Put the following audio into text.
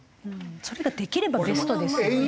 それができればベストですよね。